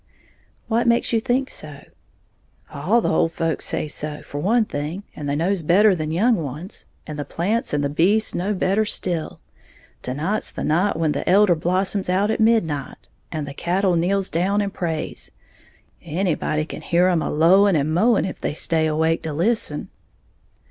"What makes you think so?" "All the old folks says so, for one thing, and they knows better than young ones; and the plants and the beasts knows better still. Tonight's the night when the elder blossoms out at midnight, and the cattle kneels down and prays, anybody can hear 'em a lowing and mowing if they stay awake to listen."